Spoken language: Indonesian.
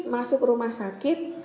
masuk rumah sakit